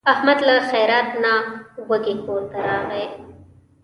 احمد له خیرات نه وږی کورته راغی.